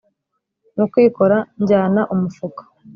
mu kwikora njyana umufuka